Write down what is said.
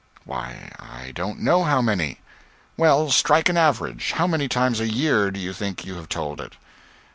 "Why, I don't know how many." "Well, strike an average. How many times a year do you think you have told it?"